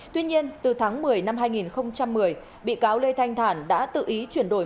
tuy nhiên từ tháng một mươi năm hai nghìn một mươi bị cáo lê thanh thản đã tự ý chuyển đổi